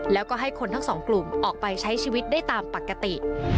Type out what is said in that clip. แล้วก็ให้คนทั้งสองกลุ่มออกไปใช้ชีวิตได้ตามปกติ